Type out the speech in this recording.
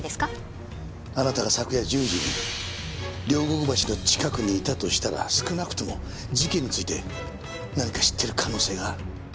あなたが昨夜１０時に両国橋の近くにいたとしたら少なくとも事件について何か知っている可能性がある。